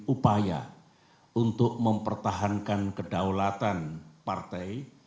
upaya untuk mempertahankan kedaulatan partai